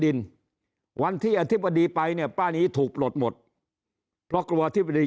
ดินวันที่อธิบดีไปเนี่ยป้ายนี้ถูกปลดหมดเพราะกลัวอธิบดี